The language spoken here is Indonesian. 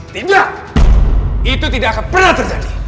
tidak itu tidak akan pernah terjadi